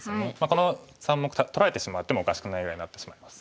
この３目取られてしまってもおかしくないぐらいになってしまいます。